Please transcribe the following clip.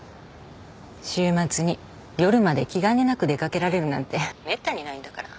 週末に夜まで気兼ねなく出掛けられるなんてめったにないんだから。